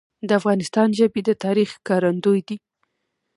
د افغانستان ژبي د تاریخ ښکارندوی دي.